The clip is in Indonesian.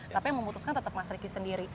tapi yang memutuskan tetap mas riki sendiri